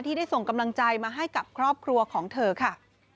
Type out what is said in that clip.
ได้ส่งกำลังใจมาให้กับครอบครัวของเธอค่ะ